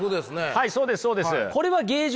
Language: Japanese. はいそうですそうです。